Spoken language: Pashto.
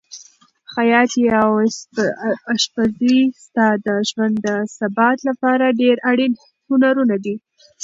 خیاطي او اشپزي ستا د ژوند د ثبات لپاره ډېر اړین هنرونه دي.